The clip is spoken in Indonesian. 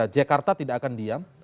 jakarta tidak akan diam